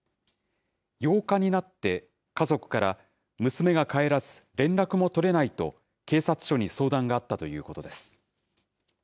８日になって、家族から、娘が帰らず、連絡も取れないと、警察署に相談があったということです。